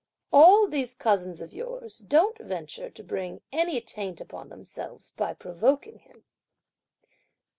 All these cousins of yours don't venture to bring any taint upon themselves by provoking him."